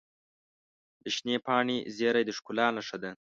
د شنې پاڼې زیرۍ د ښکلا نښه ده.